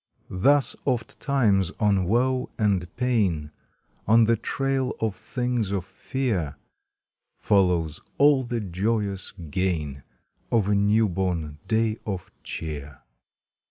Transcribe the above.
Thus ofttimes on woe and pain, On the trail of things of fear, Follows all the joyous gain Of a new born day of cheer.